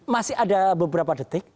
masih ada beberapa detik